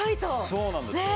そうなんですよ。